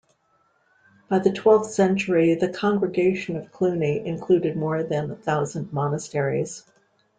By the twelfth century the Congregation of Cluny included more than a thousand monasteries.